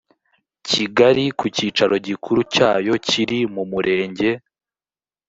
kigali ku cyicaro gikuru cyayo kiri mu murenge